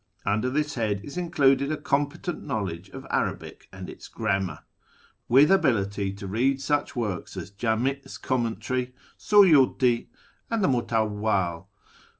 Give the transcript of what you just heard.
— Under this head is included a competent knowledge of Arabic and its grammar, with ability to read such works as Jdmi's commentary, Suyfcti, and the Mutawwal.